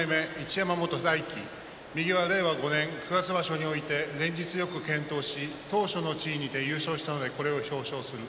山本大生右は令和５年九月場所において連日よく健闘し頭書の地位にて優勝したのでこれを表彰する。